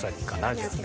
じゃあね。